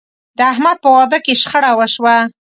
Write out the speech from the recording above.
د احمد په واده کې شخړه وشوه.